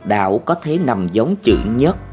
đảo có thể nằm giống chữ nhất